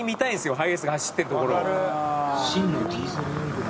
ハイエースが走ってるところを」